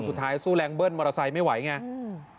สู้แรงเบิ้ลมอเตอร์ไซค์ไม่ไหวไงอืม